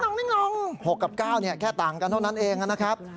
นิ่ง๖กับ๙เนี่ยแค่ต่างกันเท่านั้นเองนะครับ